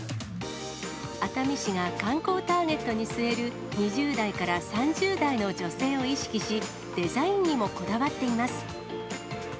熱海市が観光ターゲットに据える２０代から３０代の女性を意識し、デザインにもこだわっています。